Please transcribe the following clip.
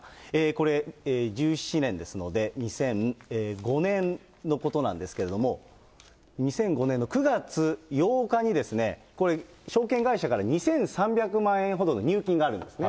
これ、１７年ですので、２００５年のことなんですけれども、２００５年の９月８日に、これ、証券会社から２３００万円ほどの入金があるんですね。